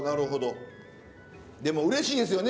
でもうれしいですよね